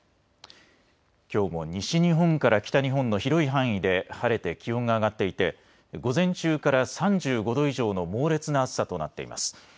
きょうも西日本から北日本の広い範囲で晴れて気温が上がっていて午前中から３５度以上の猛烈な暑さとなっています。